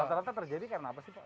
rata rata terjadi karena apa sih pak